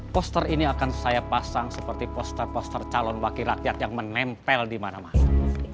poster ini akan saya pasang seperti poster poster calon wakil rakyat yang menempel di mana mana